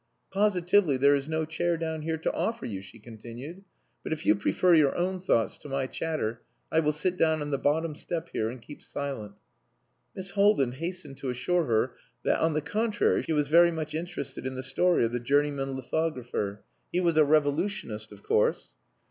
"Positively there is no chair down here to offer you," she continued. "But if you prefer your own thoughts to my chatter, I will sit down on the bottom step here and keep silent." Miss Haldin hastened to assure her that, on the contrary, she was very much interested in the story of the journeyman lithographer. He was a revolutionist, of course.